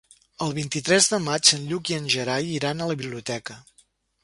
El vint-i-tres de maig en Lluc i en Gerai aniran a la biblioteca.